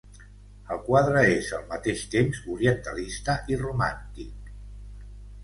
El quadre és al mateix temps orientalista i romàntic.